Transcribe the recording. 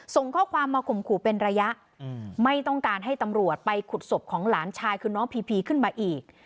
ส่งข้อความมาข่มขู่เป็นระยะไม่ต้องการให้ตำรวจไปขุดศพของหลานชายคือน้องพีพีขึ้นมาอีก